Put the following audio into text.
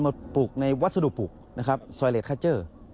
มาปลูกในวัสดุปลูกซอยเลสคาเจอร์